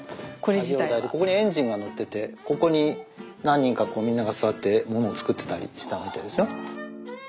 作業台でここにエンジンが載っててここに何人かこうみんなが座って物を作ってたりしたみたいですよ。